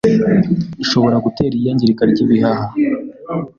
ishobora gutera iyangirika ry’bihaha,